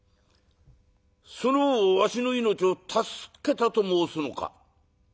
その方はわしの命を助けたと申すのか？」。